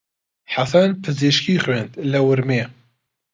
حەسەن پزیشکی خوێند لە ورمێ.